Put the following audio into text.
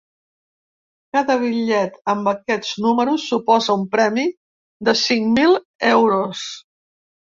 Cada bitllet amb aquests números suposa un premi de cinc mil euros.